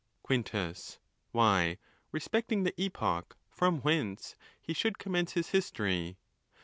Quintus.—Why, respecting the a from whence he should eommence his history.